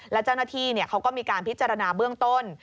และเจ้าหน้าที่เขาก็มีการพิจารณาเบื้องต้น